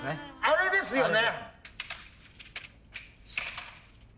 あれですよね。